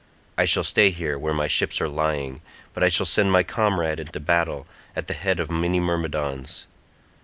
I shall stay here where my ships are lying, but I shall send my comrade into battle at the head of many Myrmidons.